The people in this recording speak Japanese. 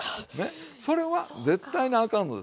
それは絶対にあかんのですよ。